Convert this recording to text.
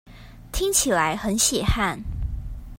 聽起來很血汗